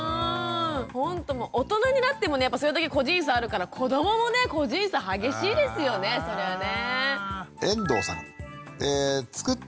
ほんともう大人になってもねやっぱそれだけ個人差あるから子どももね個人差激しいですよねそれはね。